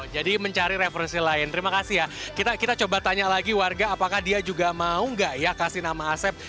jadi mencari referensi lain terima kasih ya kita kita coba tanya lagi warga apakah dia juga mau enggak ya kasih nama asep